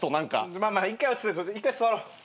まあまあ一回座ろう。